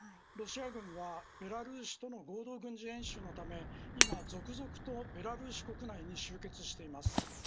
ロシア軍はベラルーシとの合同軍事演習のため今、続々とベラルーシ国内に集結しています。